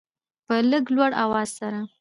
په لږ لوړ اواز سره